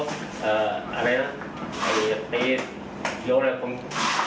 ก็อันนี้นะอันนี้ตีหรืออะไร